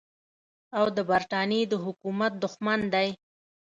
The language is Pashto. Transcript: او د برټانیې د حکومت دښمن دی.